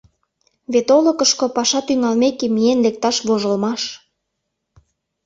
Вет олыкышко паша тӱҥалмеке миен лекташ вожылмаш.